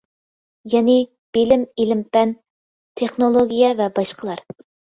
يەنى، بىلىم، ئىلىم-پەن، تېخنولوگىيە، ۋە باشقىلار.